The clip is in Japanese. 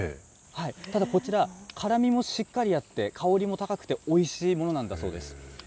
ただ、こちら、辛みもしっかりあって、香りも高くておいしいものなんだそうです。